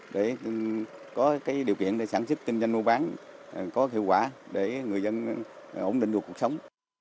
để có điều kiện để sản xuất kinh doanh mua bán có hiệu quả để người dân ổn định được cuộc sống